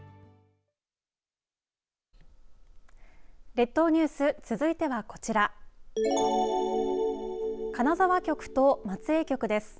列島ニュース続いてはこちら金沢局と松江局です。